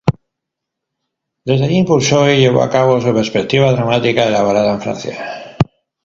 Desde allí impulsó y llevó a cabo su perspectiva dramática elaborada en Francia.